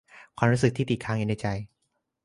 ความรู้สึกที่ติดค้างอยู่ในใจ